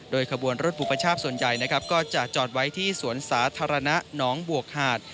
โดยขบวนรถบุพชาติส่วนใหญ่ก็จะจอดไว้ที่สวนศาสตราณะน้องบวกหาด